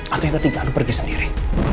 atau yang ketiga aku pergi sendiri